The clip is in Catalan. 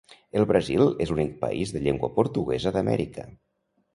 El Brasil és l'únic país de llengua portuguesa d'Amèrica.